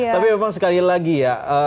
tapi memang sekali lagi ya